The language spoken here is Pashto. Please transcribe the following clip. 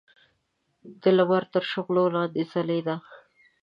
د لمر تر شغلو لاندې ځلېده.